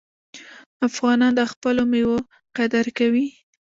افغانان د خپلو میوو قدر کوي.